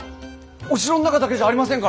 お城の中だけじゃありませんからね。